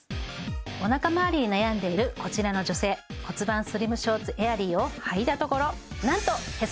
おなかまわりに悩んでいるこちらの女性骨盤スリムショーツエアリーをはいたところなんとへそ